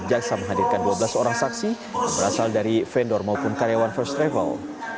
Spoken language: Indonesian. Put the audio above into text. jaksa menghadirkan dua belas orang saksi yang berasal dari vendor maupun karyawan first travel